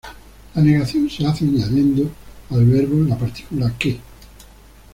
La negación se hace añadiendo al verbo la partícula "ke".